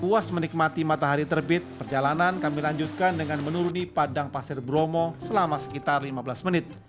puas menikmati matahari terbit perjalanan kami lanjutkan dengan menuruni padang pasir bromo selama sekitar lima belas menit